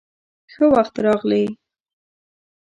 _ښه وخت راغلې.